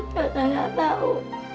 raka nggak tahu